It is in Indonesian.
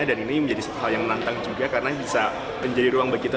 dan ini menjadi sesuatu yang menantang juga karena bisa menjadi ruang bagi kita